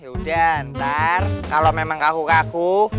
yaudah ntar kalo memang kaku kaku